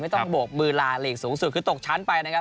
ไม่ต้องบวกมือราเหล่นสูงสุดที่ตกช้านไปนะครับ